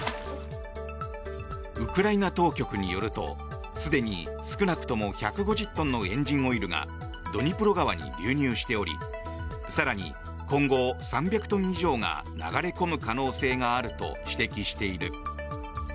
ウクライナ当局によるとすでに少なくとも１５０トンのエンジンオイルがドニプロ川に流入しており更に今後３００トン以上が流れ込む可能性があると指摘している。